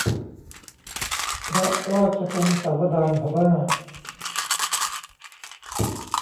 พระราชพงศาวดารพม่า